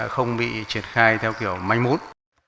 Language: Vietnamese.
không bị triển khai theo kiểu manh mút